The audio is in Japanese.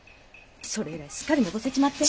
それ以来すっかりのぼせちまって。